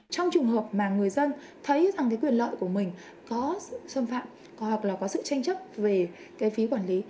trong trùng hợp mà người dân thấy rằng quyền lợi của mình có sự xâm phạm hoặc là có sự tranh chấp về phí quản lý